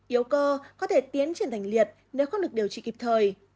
yếu cơ có thể tiến triển thành liệt nếu không được điều trị kịp thời